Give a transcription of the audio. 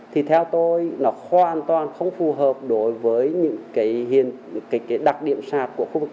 thì theo tôi nó hoàn toàn không phù hợp đối với những cái đặc điểm sạt của khu vực